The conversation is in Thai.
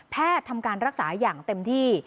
ทำการรักษาอย่างเต็มที่